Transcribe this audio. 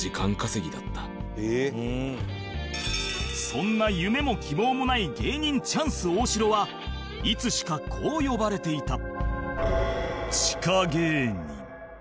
そんな夢も希望もない芸人チャンス大城はいつしかこう呼ばれていた